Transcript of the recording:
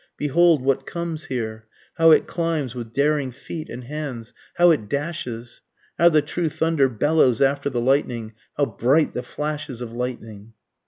behold what comes here, How it climbs with daring feet and hands how it dashes! How the true thunder bellows after the lightning how bright the flashes of lightning!